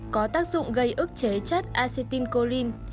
có tác dụng gây ức chế chất acetylcholine